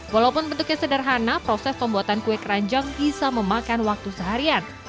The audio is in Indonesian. walaupun bentuknya sederhana proses pembuatan kue keranjang bisa memakan waktu seharian